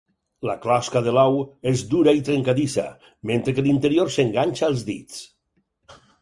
La closca de l'ou és dura i trencadissa, mentre que l'interior s'enganxa als dits.